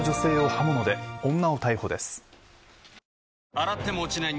洗っても落ちない